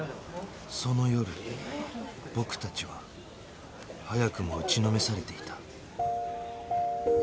その夜僕たちは早くも打ちのめされていた